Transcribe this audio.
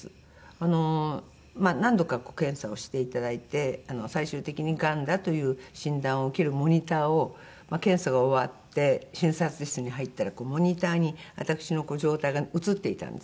あのまあ何度か検査をしていただいて最終的にがんだという診断を受けるモニターを検査が終わって診察室に入ったらモニターに私の状態が映っていたんですね。